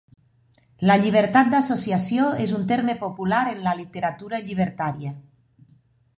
La llibertat d'associació és un terme popular en la literatura llibertària.